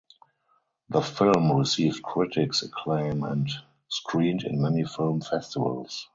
The film received critics acclaim and screened in many film festivals.